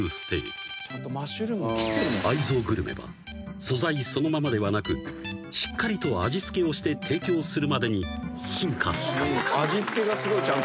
［愛憎グルメは素材そのままではなくしっかりと味付けをして提供するまでに進化したのだ］